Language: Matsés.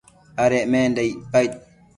adecmenda icpaid